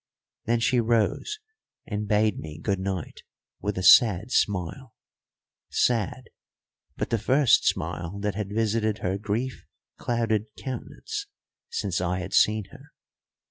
Then she rose and bade me good night with a sad smile sad, but the first smile that had visited her grief clouded countenance since I had seen her.